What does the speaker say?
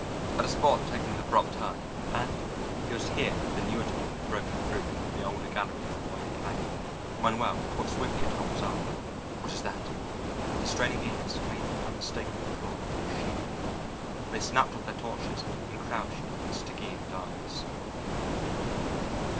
At a spot taking an abrupt turn and it was here that the newer tunnel had broken through into the older gallery of the Wiley claim Manuel caught swiftly at Talbot's arm. "What is that?" To straining ears came the unmistakable throb of machinery. They snapped off their torches and crouched in Stygian darkness.